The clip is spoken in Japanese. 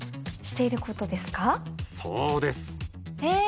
そうです